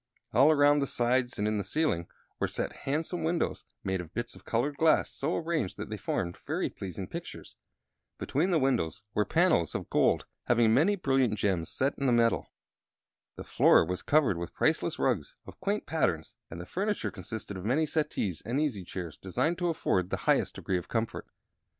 All around the sides and in the ceiling were set handsome windows made of bits of colored glass, so arranged that they formed very pleasing pictures. Between the windows were panels of wrought gold having many brilliant gems set in the metal. The floor was covered with priceless rugs of quaint patterns, and the furniture consisted of many settees and easy chairs designed to afford the highest degree of comfort.